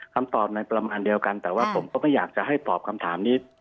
คำตอบในประมาณเดียวกันแต่ว่าผมก็ไม่อยากจะให้ตอบคำถามนี้